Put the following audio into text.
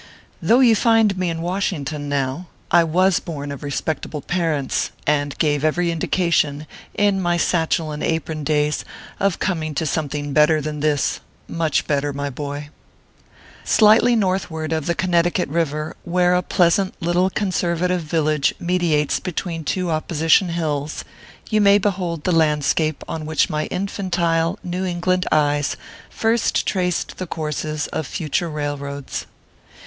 Though you find me in Washington now, I was born of respectable parents, and gave every indica tion, in my satchel and apron days, of coming to something better than this, much better, my boy. Slightly northward of the Connecticut river, where a pleasant little conservative village mediates be tween two opposition hills, you may behold the land scape on which my infantile New England eyes first traced the courses of future railroads.